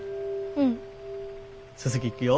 うん。